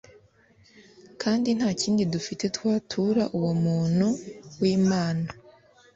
kandi nta n'ikindi dufite twatura uwo muntu w'imana